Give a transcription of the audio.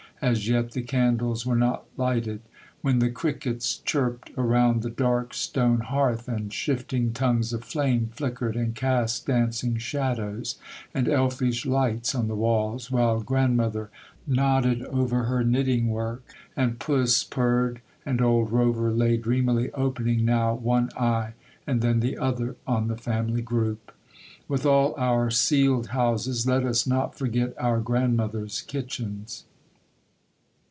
—as yet the candles were not lighted,—when the crickets chirped around the dark stone hearth, and shifting tongues of flame flickered and cast dancing shadows and elfish lights on the walls, while grandmother nodded over her knitting work, and puss purred, and old Rover lay dreamily opening now one eye and then the other on the family group! With all our ceiled houses, let us not forget our grandmothers' kitchens!